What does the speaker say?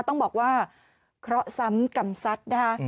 ต้องบอกว่าเคราะห์ซ้ำกรรมซัดนะคะ